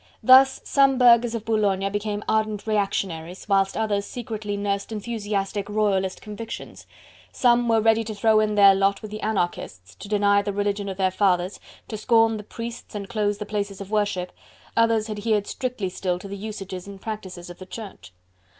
Thus some burghers of Boulogne became ardent reactionaries, whilst others secretly nursed enthusiastic royalist convictions: some were ready to throw in their lot with the anarchists, to deny the religion of their fathers, to scorn the priests and close the places of worship; others adhered strictly still to the usages and practices of the Church.